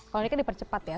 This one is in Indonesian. kalau ini kan dipercepat ya